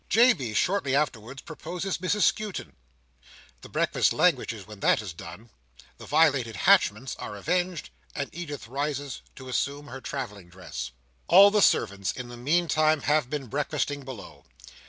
J. B. shortly afterwards proposes Mrs Skewton. The breakfast languishes when that is done, the violated hatchments are avenged, and Edith rises to assume her travelling dress. All the servants in the meantime, have been breakfasting below.